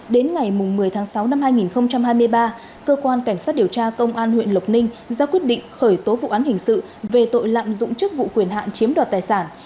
đến ngày một mươi tháng sáu năm hai nghìn hai mươi ba cơ quan cảnh sát điều tra công an huyện lộc ninh ra quyết định khởi tố vụ án hình sự về tội lạm dụng chức vụ quyền hạn chiếm đoạt tài sản